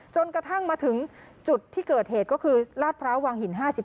จนกระทั่งมาถึงจุดที่เกิดเหตุก็คือลาดพร้าววังหิน๕๓